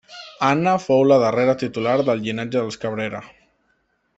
Anna fou la darrera titular del llinatge dels Cabrera.